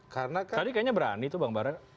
tadi kayaknya berani tuh bang barat